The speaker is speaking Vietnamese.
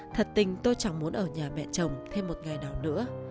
thật tình tôi chẳng muốn ở nhà mẹ chồng thêm một ngày nào nữa